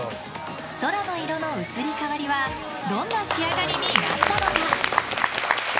空の色の移り変わりはどんな仕上がりになったのか？